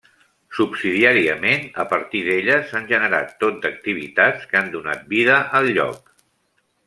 Subsidiàriament, a partir d'ella, s'han generat tot d'activitats que han donat vida al lloc.